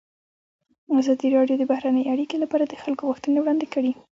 ازادي راډیو د بهرنۍ اړیکې لپاره د خلکو غوښتنې وړاندې کړي.